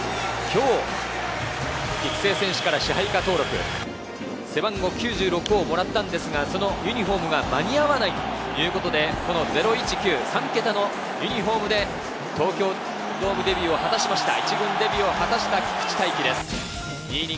今日、育成選手から支配下登録、背番号９６をもらったんですがユニホームが間に合わないということで０１９、３桁のユニホームで東京ドームデビューを果たしました。